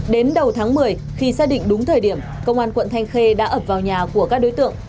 đến đầu tháng một mươi khi xác định đúng thời điểm công an quận thanh khê đã ập vào nhà của các đối tượng